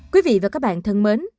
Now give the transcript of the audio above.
quý vị và các bạn thân mến